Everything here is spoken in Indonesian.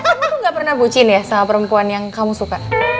kamu tuh nggak pernah bucin ya sama perempuan yang kamu suka